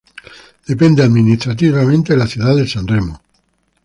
Depende administrativamente de la ciudad de San Remo.